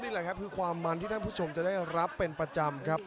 นี่แหละครับคือความมันที่ท่านผู้ชมจะได้รับเป็นประจำครับ